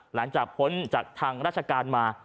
หลังจากพ้นจากทางราชการมา